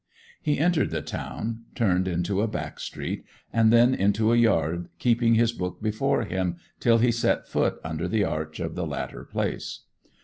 He entered the town, turned into a back street, and then into a yard, keeping his book before him till he set foot under the arch of the latter place.